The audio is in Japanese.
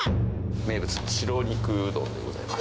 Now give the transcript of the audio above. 名物の白肉うどんでございます。